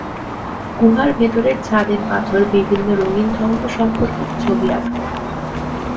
গুহার ভেতরের ছাদের পাথর বিভিন্ন রঙিন ধর্ম সম্পর্কিত ছবি আকা।